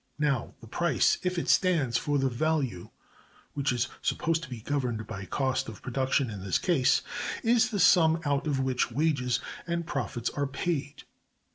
Now, the price, if it stands for the value (which is supposed to be governed by cost of production in this case), is the sum out of which wages and profits are paid.